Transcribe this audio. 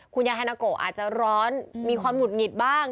คุณยายฮานาโกอาจจะร้อนมีความหงุดหงิดบ้าง